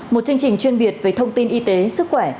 một chương trình chuyên biệt về thông tin y tế sức khỏe